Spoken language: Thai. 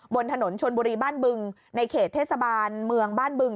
บนถนนชนบุรีบ้านบึงในเขตเทศบาลเมืองบ้านบึง